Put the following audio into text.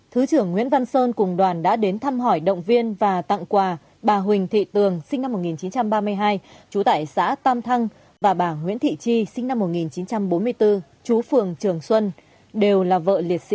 thứ trưởng nguyễn văn sơn cùng đoàn đã đến thăm hỏi động viên và tặng quà bà huỳnh thị tường sinh năm một nghìn chín trăm ba mươi hai trú tại xã tam thăng và bà nguyễn thị chi sinh năm một nghìn chín trăm bốn mươi bốn chú phường trường xuân đều là vợ liệt sĩ